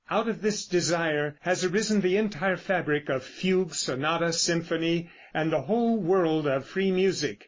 Out of this desire has arisen the entire fabric of fugue, sonata, symphony and the whole world of free music.